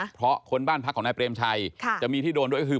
เพราะคนบ้านพักของนายเปรมชัยจะมีที่โดนด้วยก็คือ